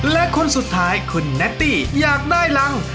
และคนสุดท้ายคุณแนตตี้อยากได้รัง